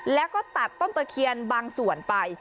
แล้วก็ตัดต้นตะเคียนบางส่วนไป